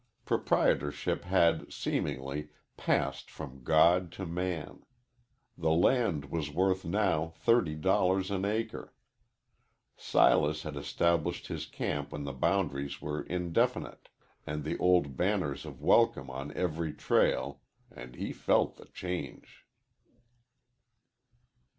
Proprietorship had, seemingly, passed from God to man. The land was worth now thirty dollars an acre. Silas had established his camp when the boundaries were indefinite and the old banners of welcome on every trail, and he felt the change.